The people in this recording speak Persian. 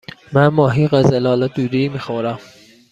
من ماهی قزل آلا دودی می خورم.